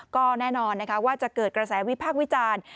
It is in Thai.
ก็แน่นอนนะคะว่าจะเกิดกระแสวิพากษ์วิจารณ์